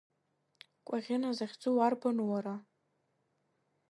Кәаӷьына захьӡу уарбану, уара?!